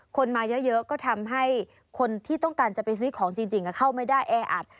คนมาเยอะก็ทำให้คนที่ต้องการจะไปซื้อของจริงเข้าไม่ได้แออัด